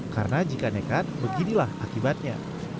karena jika nekat beginilah akibatnya